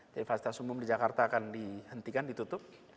jadi fasilitas umum di jakarta akan dihentikan ditutup